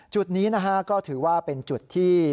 จุดนี้นะฮะก็ถือว่าเป็นจุดที่